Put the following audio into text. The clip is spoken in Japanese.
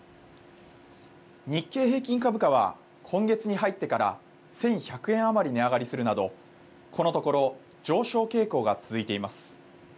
日経平均株価は今月に入ってから１１００円余り値上がりするなどこのところ上昇傾向が続いています。